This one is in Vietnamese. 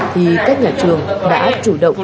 thì các nhà trường đã chủ động